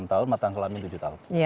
enam tahun matang kelamin tujuh tahun